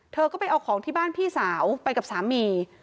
เธอก็ไปเอาของที่บ้านพี่สาวไปกับสามี